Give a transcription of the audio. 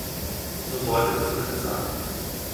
So sollte es zumindest sein.